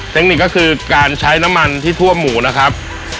เทคนิคก็คือการใช้น้ำมันที่ทั่วหมูนะครับ